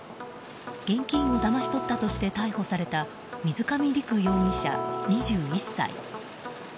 現金をだまし取ったとして逮捕された水上陸容疑者、２１歳。